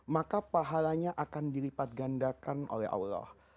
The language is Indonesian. maka pahalanya akan dilipat gandakan oleh allah